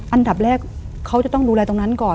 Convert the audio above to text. อันดับแรกเขาจะต้องดูแลตรงนั้นก่อน